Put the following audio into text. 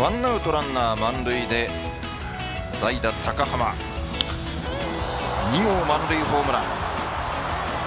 ワンアウトランナー、満塁で代打高濱２号満塁ホームラン。